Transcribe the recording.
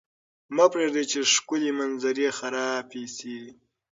مه پرېږدئ چې ښکلې منظرې خرابې شي.